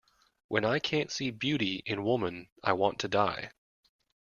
When I can't see beauty in woman I want to die.